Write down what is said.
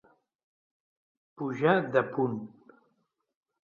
Pujar de punt.